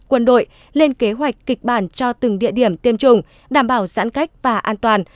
quân đội lên kế hoạch kịch bản cho từng địa điểm tiêm chủng đảm bảo giãn cách và an toàn